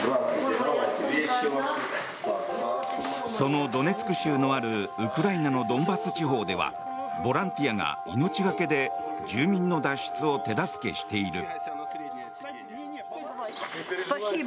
そのドネツク州のあるウクライナのドンバス地方ではボランティアが命懸けで住民の脱出を手助けしている。